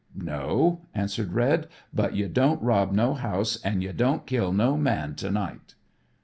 "No," answered Red. "But you don't rob no house, an' you don't kill no man to night."